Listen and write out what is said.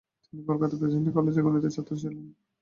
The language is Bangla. তিনি কলকাতা প্রেসিডেন্সি কলেজের গণিতের ছাত্র ছিলেন।